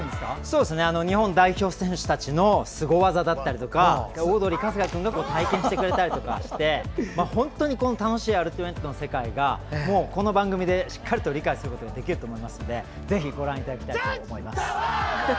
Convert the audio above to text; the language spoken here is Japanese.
日本代表選手たちのすご技だったりとかオードリー春日君が体験してくれたりして本当に楽しいアルティメットの世界がこの番組でしっかりと理解することができると思いますのでぜひご覧いただきたいと思います。